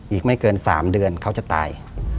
อีกไม่เกิน๓เดือนเขาจะตาย